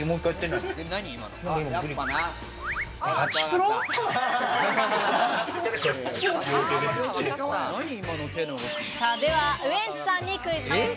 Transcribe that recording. パチプロ？ではウエンツさんにクイズです。